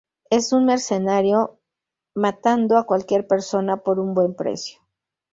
Es un mercenario, matando a cualquier persona por un buen precio.